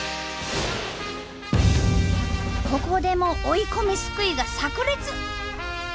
ここでも追い込みすくいがさく裂！